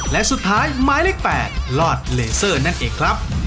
และสุดท้ายหมายเลข๘รอดเลเซอร์นั่นเองครับ